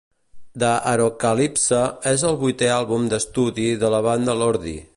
The Arockalypse és el vuitè àlbum d'estudi de la banda Lordi.